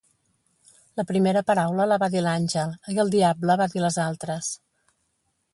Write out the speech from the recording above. La primera paraula la va dir l'àngel, i el diable va dir les altres.